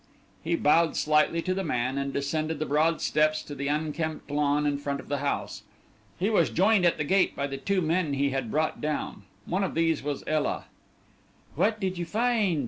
He bowed slightly to the man, and descended the broad steps to the unkempt lawn in front of the house. He was joined at the gate by the two men he had brought down. One of these was Ela. "What did you find?"